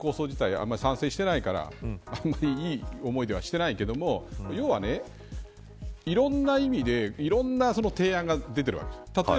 あんまり賛成してないからあんまりいい思いはしてないけれども要は、いろんな意味でいろんなものが出てるわけです。